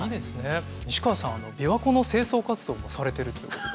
西川さんびわ湖の清掃活動もされてるということで。